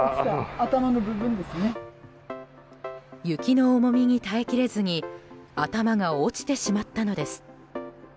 雪の重みに耐えきれずに頭が落ちてしまったのです。